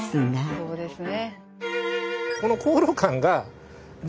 そうですね。